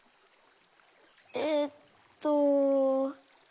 えっと。